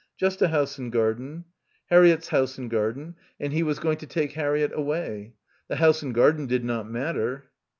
Just a house and garden. Harriett's house and garden, and he was going to take Harriett away. The house and garden did not matter.